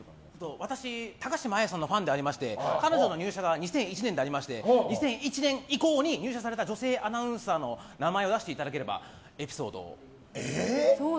私、高島彩さんのファンでして彼女の入社が２００１年で２００１年以降に入社された女性アナウンサーの名前を出していただければエピソードを。